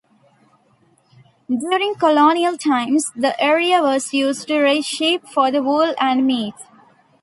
During colonial times the area was used to raise sheep for wool and meat.